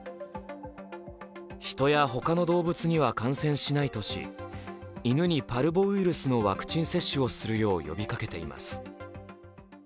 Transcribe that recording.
人や他の動物には感染しないとし犬にパルボウイルスのワクチン接種をするよう呼びかけています。